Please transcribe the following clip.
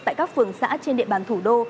tại các phường xã trên địa bàn thủ đô